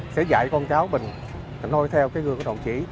tại con cháu mình nôi theo cái gương của đồng chí